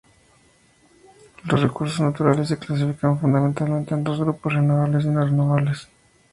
Los recursos naturales se clasifican fundamentalmente en dos grupos: renovables y no renovables.